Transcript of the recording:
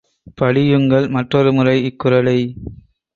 படியுங்கள் மற்றொருமுறை இக்குறளை.